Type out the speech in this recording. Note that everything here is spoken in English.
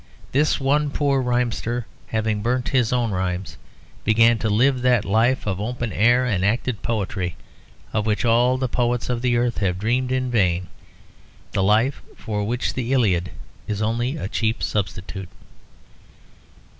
This one poor rhymster, having burnt his own rhymes, began to live that life of open air and acted poetry of which all the poets of the earth have dreamed in vain; the life for which the Iliad is only a cheap substitute.